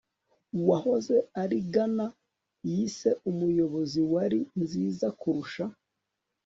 Uwahoze ari Gunner yise umuyobozi wari nziza kurusha